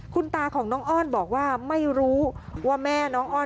คุณตาของน้องอ้อนบอกว่าไม่รู้ว่าแม่น้องอ้อน